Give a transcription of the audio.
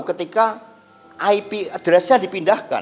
ketika ip address nya dipindahkan